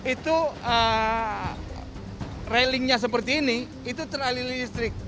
itu railingnya seperti ini itu terali listrik